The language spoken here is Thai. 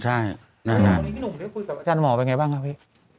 พี่หนุ่มคุยกับอาจารย์หมอเป็นอย่างไรบ้างครับพี่